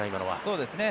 そうですね。